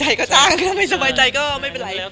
เรียกงานไปเรียบร้อยแล้ว